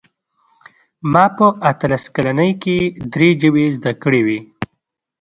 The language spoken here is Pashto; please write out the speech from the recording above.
ما په اتلس کلنۍ کې درې ژبې زده کړې وې